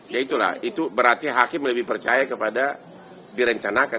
ya itulah itu berarti hakim lebih percaya kepada direncanakan